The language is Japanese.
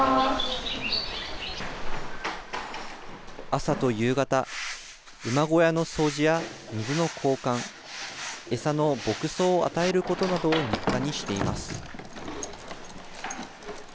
朝と夕方、馬小屋の掃除や水の交換、餌の牧草を与えることなどを日課にしています。